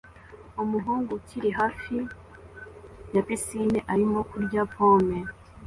Umuhungu ukiri hafi ya pisine arimo kurya pome